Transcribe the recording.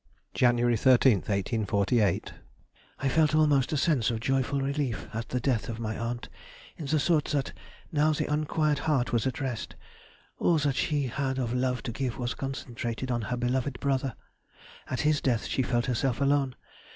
January 13, 1848. ... I felt almost a sense of joyful relief at the death of my aunt, in the thought that now the unquiet heart was at rest. All that she had of love to give was concentrated on her beloved brother. At his death she felt herself alone.